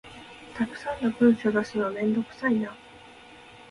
たくさんの文書出すのめんどくさいな